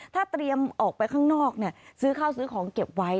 ถ้าเตรียมออกไปข้างนอกซื้อข้าวซื้อของเก็บไว้